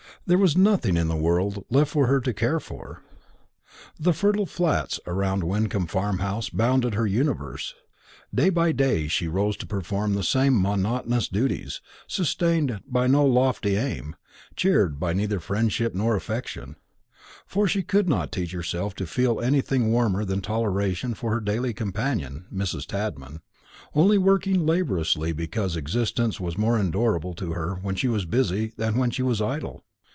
There was nothing in the world left for her to care for. The fertile flats around Wyncomb Farmhouse bounded her universe. Day by day she rose to perform the same monotonous duties, sustained by no lofty aim, cheered by neither friendship nor affection; for she could not teach herself to feel anything warmer than toleration for her daily companion, Mrs. Tadman only working laboriously because existence was more endurable to her when she was busy than when she was idle.